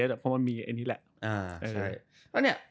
เพราะมันมีอันนี้แหละ